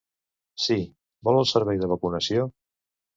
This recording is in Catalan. Sí, vol el servei de vacunació?